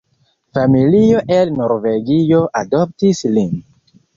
Familio el Norvegio adoptis lin.